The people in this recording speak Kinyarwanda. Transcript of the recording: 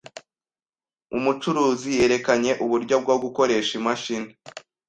Umucuruzi yerekanye uburyo bwo gukoresha imashini.